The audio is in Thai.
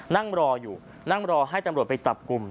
นั่งรออยู่นั่งรอให้ตำรวจไปจับกลุ่ม